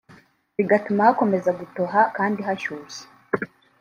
bigatuma hakomeza gutoha kandi hashyushye